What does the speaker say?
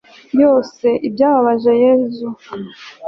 yose, ibyababaje yezu